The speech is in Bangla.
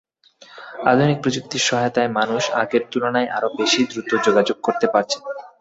আধুনিক প্রযুক্তির সহায়তায় মানুষ আগের তুলনায় আরও বেশি দ্রুত যোগাযোগ করতে পারছে।